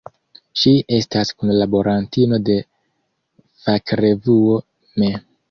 Ŝi estas kunlaborantino de fakrevuo "Me.